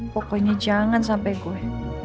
pokoknya jangan sampai gue